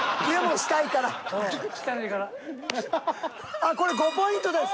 あっこれ５ポイントです。